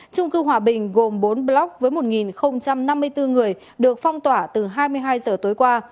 trung cư hòa bình gồm bốn blog với một năm mươi bốn người được phong tỏa từ hai mươi hai giờ tối qua